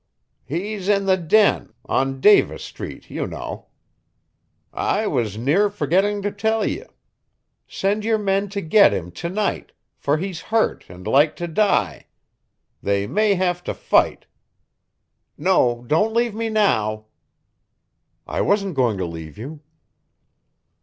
"He's in the Den on Davis Street, you know. I was near forgetting to tell ye. Send your men to get him to night, for he's hurt and like to die. They may have to fight. No, don't leave me now." "I wasn't going to leave you."